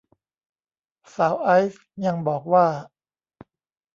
สาวไอซ์ยังบอกว่า